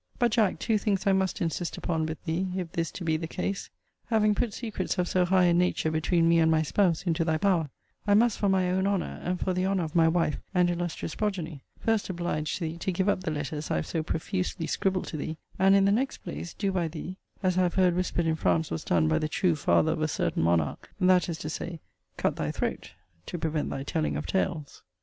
But, Jack, two things I must insist upon with thee, if this is to be the case. Having put secrets of so high a nature between me and my spouse into thy power, I must, for my own honour, and for the honour of my wife and illustrious progeny, first oblige thee to give up the letters I have so profusely scribbled to thee; and in the next place, do by thee, as I have heard whispered in France was done by the true father of a certain monarque; that is to say, cut thy throat, to prevent thy telling of tales.